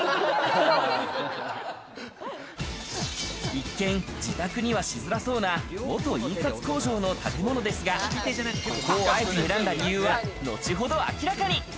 一見、自宅にはしづらそうな元印刷工場の建物ですが、ここをあえて選んだ理由は後ほど明らかに。